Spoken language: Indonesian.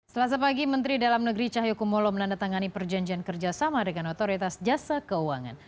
selasa pagi menteri dalam negeri cahyokumolo menandatangani perjanjian kerjasama dengan otoritas jasa keuangan